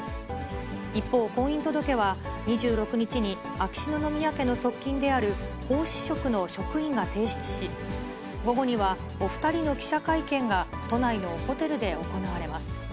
一方、婚姻届は２６日に秋篠宮家の側近である皇嗣職の職員が提出し、午後にはお２人の記者会見が都内のホテルで行われます。